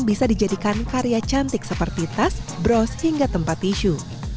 bisa dijadikan karya cantik seperti tas bros hingga tempat tisu